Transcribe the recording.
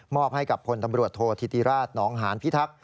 ให้กับพลตำรวจโทษธิติราชหนองหานพิทักษ